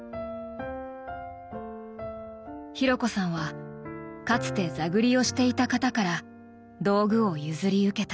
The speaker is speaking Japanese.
紘子さんはかつて座繰りをしていた方から道具を譲り受けた。